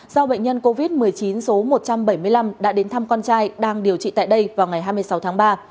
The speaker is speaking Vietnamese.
do bệnh nhân covid một mươi chín số một trăm bảy mươi năm đã đến thăm con trai đang điều trị tại đây vào ngày hai mươi sáu tháng ba